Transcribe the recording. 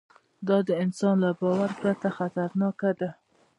دا د انسان له باور پرته خطرناکه ده.